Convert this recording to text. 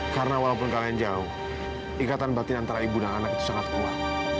karena walaupun kalian jauh ikatan batin antara ibu dan anak itu sangat kuat